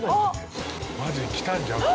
「マジできたんじゃない？